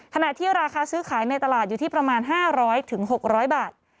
ขณะที่ราคาซื้อขายในตลาดอยู่ที่ประมาณ๕๐๐๖๐๐บาท